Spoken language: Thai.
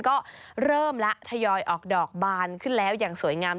ก็เริ่มแล้วทยอยออกดอกบานขึ้นแล้วอย่างสวยงาม